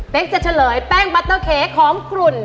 เป๊กจะเฉลยแป้งแป๊งกรมด๋าของฟลุน